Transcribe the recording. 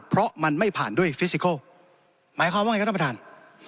เพราะมันไม่ผ่านด้วยฟิสิโคลหมายความว่าไงครับท่านประธาน